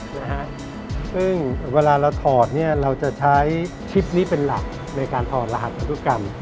ซึ่งเวลาเราถอดเนี่ยเราจะใช้ทริปนี้เป็นหลักในการถอดรหัสพันธุกรรม